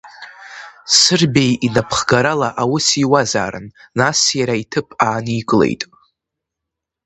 Сырбеи инапхгарала аус иуазаррын, нас иара иҭыԥ ааникылеит.